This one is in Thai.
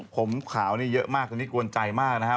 ผมขาวนี่เยอะมากตอนนี้กวนใจมากนะครับ